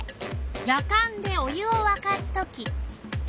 やかんでお湯をわかすとき。